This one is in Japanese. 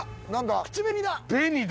口紅だ！